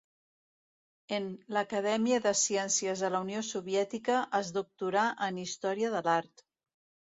En l'Acadèmia de Ciències de la Unió Soviètica es doctorà en Història de l'Art.